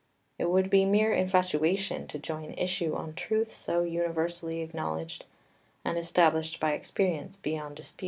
It would be mere infatuation to join issue on truths so universally acknowledged, and established by experience beyond dispute.